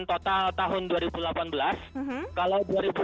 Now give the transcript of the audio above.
gerhana bulan total tahun dua ribu delapan belas